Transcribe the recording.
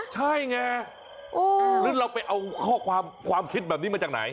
ใช่ไงไปเอาความคิดแบบนี้มาจากไหน